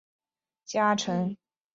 户川达安原宇喜多氏家臣。